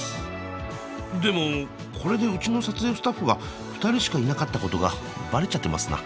でもこれでうちの撮影スタッフが２人しかいなかったことがバレちゃってますな。